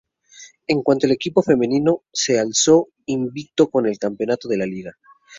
En cuanto al equipo femenino, se alzó invicto con el campeonato de Liga.